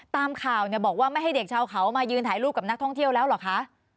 ตามข่าวเนี่ยบอกว่าไม่ให้เด็กชาวเขามายืนถ่ายรูปกับนักท่องเที่ยวแล้วเหรอคะ